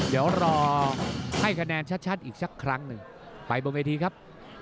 เดี๋ยวรอให้คะแนนชัดอีกสักครั้งหนึ่งไปบนเวทีครับ